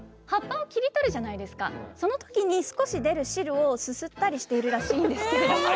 葉っぱを切り取るじゃないですかその時に少し出る汁をすすったりしてるらしいんですけれども。